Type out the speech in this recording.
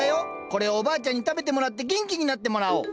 これをおばあちゃんに食べてもらって元気になってもらおう。